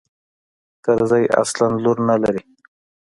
کرزى اصلاً لور نه لري.